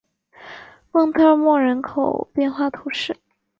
蒙特莫人口变化图示